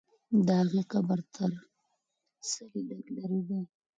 د هغې قبر تر څلي لږ لرې دی.